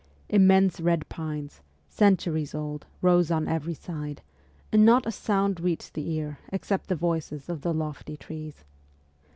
Immense red pines, centuries old, rose on every side, and not a sound reached the ear except the voices of the lofty trees.